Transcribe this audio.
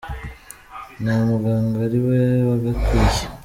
na muganga ari we wagakwiye